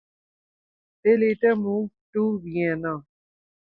They later moved to Vienna.